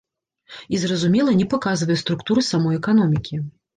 І, зразумела, не паказвае структуры самой эканомікі.